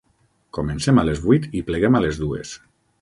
Comencem a les vuit i pleguem a les dues.